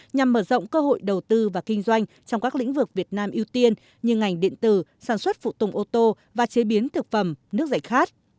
nhằm mở rộng cơ hội đầu tư và kinh doanh trong các lĩnh vực việt nam ưu tiên như ngành điện tử sản xuất phụ tùng ô tô và chế biến thực phẩm nước giải khát